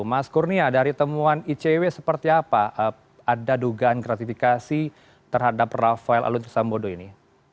mas kurnia dari temuan icw seperti apa ada dugaan gratifikasi terhadap rafael aluntri sambodo ini